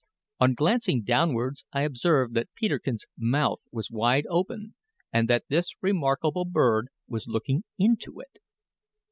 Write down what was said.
On glancing downwards I observed that Peterkin's mouth was wide open, and that this remarkable bird was looking into it.